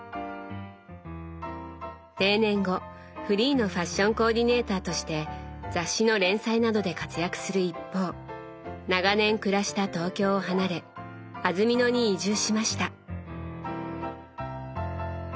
定年後フリーのファッションコーディネーターとして雑誌の連載などで活躍する一方長年暮らした東京を離れ安曇野に移住しました。